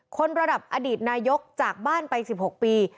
คนระดับอดีตนายกจากบ้านไป๑๖ปี